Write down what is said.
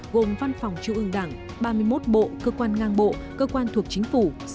gồm văn phòng trung ương đảng ba mươi một bộ cơ quan ngang bộ cơ quan thuộc chính phủ